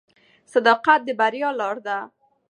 صداقت د بریا لاره ده.